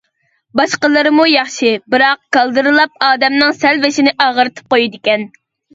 باشقىلىرىمۇ ياخشى، بىراق كالدىرلاپ ئادەمنىڭ سەل بېشىنى ئاغرىتىپ قويىدىكەن.